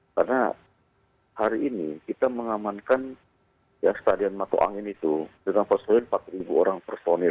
karena hari ini kita mengamankan yang stadion matu angin itu di dalam persoalan empat orang personil